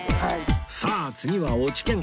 さあ次は落研